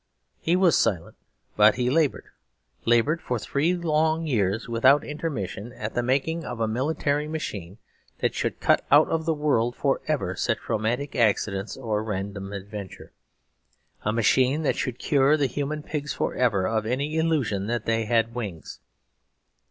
He was silent; but he laboured: laboured for three long years without intermission at the making of a military machine that should cut out of the world for ever such romantic accident or random adventure; a machine that should cure the human pigs for ever of any illusion that they had wings.